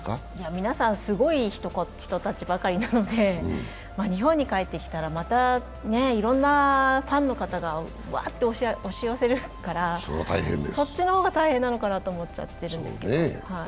皆さんすごい人たちばかりなので、日本に帰ってきたら、またいろんなファンの方が押し寄せるからそっちの方が大変なのかなって思っちゃってるんですけど。